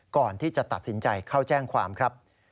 ก่อนที่จะตัดสินใจเข้าแจ้งความครับ